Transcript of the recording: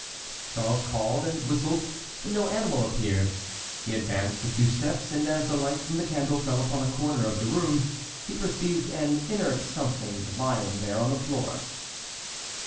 Charles called and whistled, but no animal appeared. He advanced a few steps, and as the light from the candle fell upon a corner of the room, he perceived an inert something lying there on the floor.